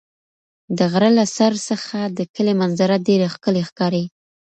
د غره له سر څخه د کلي منظره ډېره ښکلې ښکاري.